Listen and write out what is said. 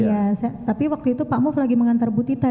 iya tapi waktu itu pak muf lagi mengantar butita